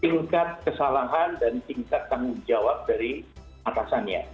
tingkat kesalahan dan tingkat tanggung jawab dari atasannya